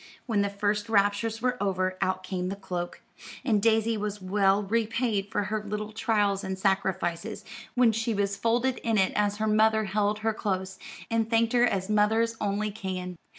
When the first raptures were over, out came the cloak; and Daisy was well repaid for her little trials and sacrifices when she was folded in it as her mother held her close, and thanked her as mothers only can.